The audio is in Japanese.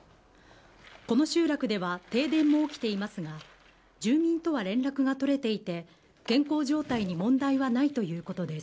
この集落では、停電も起きていますが、住民とは連絡が取れていて、健康状態に問題はないということです。